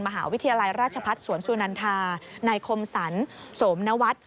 มหาวิทยาลัยราชพัฒน์สวนสุนันทานายคมสรรโสมนวัฒน์